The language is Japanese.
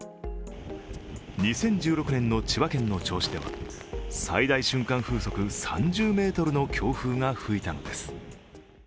２０１６年の千葉県の銚子では最大瞬間風速３０メートルの強風が吹いたのです。